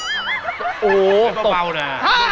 เก็บเบานะ